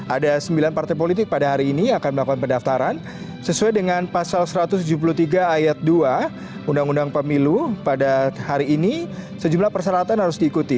ada sembilan partai politik pada hari ini akan melakukan pendaftaran sesuai dengan pasal satu ratus tujuh puluh tiga ayat dua undang undang pemilu pada hari ini sejumlah persyaratan harus diikuti